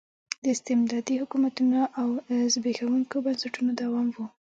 د استبدادي حکومتونو او زبېښونکو بنسټونو دوام و.